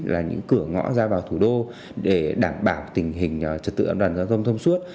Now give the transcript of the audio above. là những cửa ngõ ra vào thủ đô để đảm bảo tình hình trật tự an toàn giao thông thông suốt